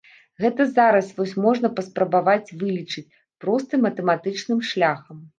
Гэта зараз вось можна паспрабаваць вылічыць, простым матэматычным шляхам.